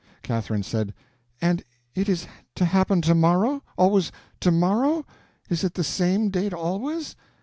Catherine said: "And it is to happen to morrow?—always to morrow? Is it the same date always?